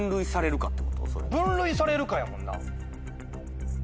分類されるかやもんな。